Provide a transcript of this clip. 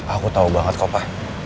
aku tau banget kopa